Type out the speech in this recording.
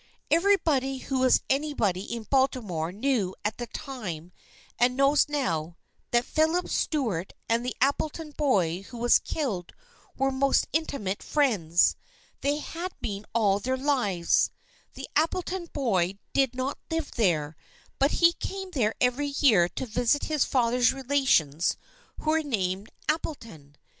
Everybody who is anybody in Baltimore knew at the time and knows now, that Philip Stuart and the Appleton boy who was killed were most intimate friends. They had been all their lives. The Appleton boy did not live there, but he came there every year to visit his father's relations who were named Apple ton.